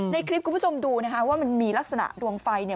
ในคลิปคุณผู้ชมดูนะคะว่ามันมีลักษณะดวงไฟเนี่ย